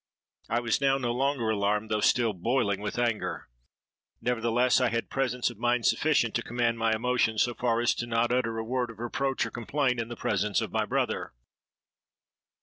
I was now no longer alarmed, though still boiling with anger: nevertheless I had presence of mind sufficient to command my emotion so far as not to utter a word of reproach or complaint in the presence of my brother.